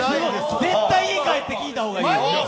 絶対、家帰って聞いた方がいい！